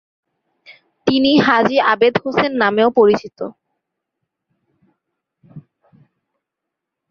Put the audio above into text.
তিনি হাজী আবেদ হোসেন নামেও পরিচিত।